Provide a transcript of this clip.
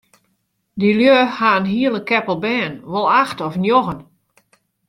Dy lju ha in hiele keppel bern, wol acht of njoggen.